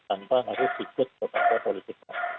tanpa harus ikut kepolisian